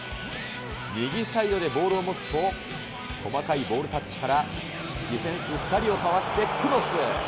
右サイドでボールを持つと、細かいボールタッチから、ディフェンス２人をかわしてクロス。